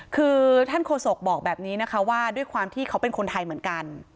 คือท่านโฆษกบอกแบบนี้นะคะว่าด้วยความที่เขาเป็นคนไทยเหมือนกัน